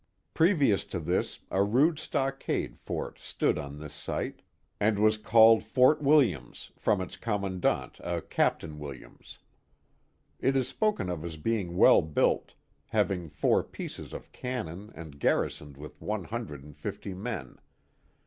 1 Previous to this, a rude stockade fort stood on this site and was called I*"ort Williams from its commandant, a Captain Williams, It is spoken of as being well built, having four pieces of cannon and garrisoned with one hundred and fifty men.